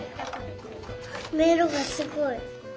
めいろがすごい。